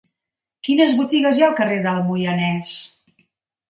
Quines botigues hi ha al carrer del Moianès?